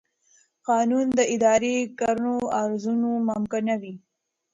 قانون د اداري کړنو ارزونه ممکنوي.